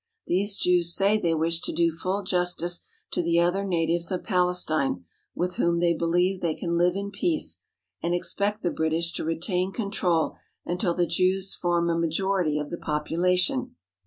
These Jews say they wish to do full justice to the other natives of Palestine, with whom they be lieve they can live in peace, and expect the British to re tain control until the Jews form a majority of the popu lation.